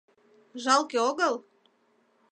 Жалке огыл?